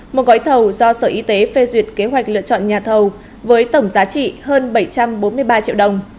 một gói thầu do sở y tế phê duyệt kế hoạch lựa chọn nhà thầu với tổng giá trị hơn bảy trăm bốn mươi ba triệu đồng